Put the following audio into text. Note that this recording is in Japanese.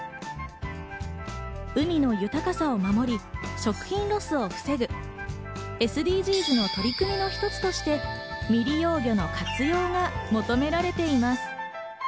海の豊かさを守り食品ロスを防ぐ、ＳＤＧｓの取り組みの一つとして未利用魚の活用が求められています。